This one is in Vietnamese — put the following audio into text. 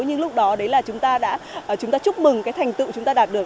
nhưng lúc đó chúng ta đã chúc mừng thành tựu chúng ta đạt được